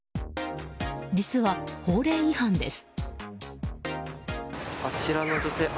実は、法令違反です。